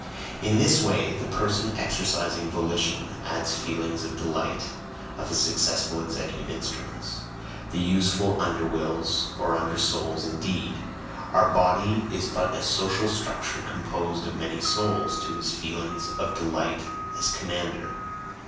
In this way the person exercising volition adds the feelings of delight of his successful executive instruments, the useful "underwills" or under souls indeed, our body is but a social structure composed of many souls to his feelings of delight as commander.